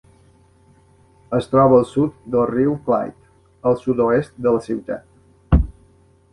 Es troba al sud del riu Clyde, al sud-oest de la ciutat.